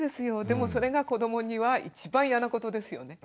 でもそれが子どもには一番嫌なことですよね。